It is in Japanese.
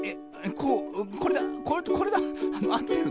こうこれだこれだ。あってるの？